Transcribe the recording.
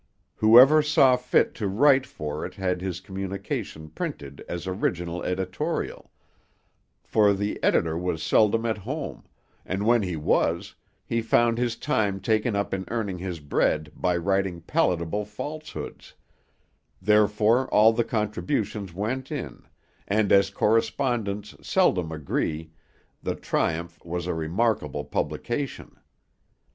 Whoever saw fit to write for it had his communication printed as original editorial; for the editor was seldom at home, and when he was, he found his time taken up in earning his bread by writing palatable falsehoods; therefore all the contributions went in, and as correspondents seldom agree, the Triumph was a remarkable publication.